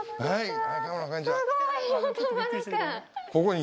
はい。